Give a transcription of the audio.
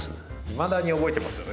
いまだに覚えてますよ